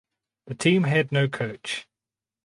The team had no coach.